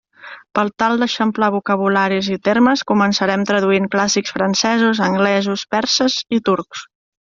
Per tal d'eixamplar vocabularis i termes, començaren traduint clàssics francesos, anglesos, perses i turcs.